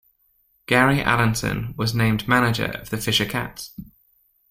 Gary Allenson was named manager of the Fisher Cats.